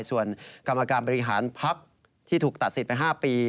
ส่วนกรรมการบริหารพักที่ถูกตัดสิทธิ์ไป๕ปี